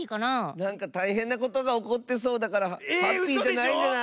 なんかたいへんなことがおこってそうだからハッピーじゃないんじゃない？